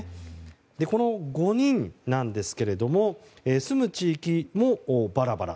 この５人ですが住む地域もバラバラ。